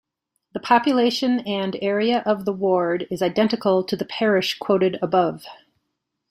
The population and area of the ward is identical to the parish quoted above.